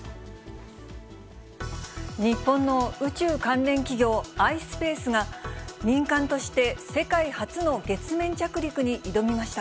日本の宇宙関連企業、ｉｓｐａｃｅが、民間として世界初の月面着陸に挑みました。